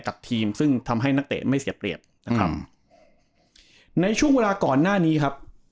กับทีมซึ่งทำให้นักเตะไม่เสียเปรียบนะครับในช่วงเวลาก่อนหน้านี้ครับ